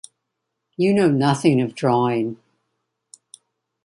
You know nothing of drawing.